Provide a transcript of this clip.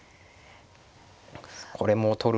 これも取る。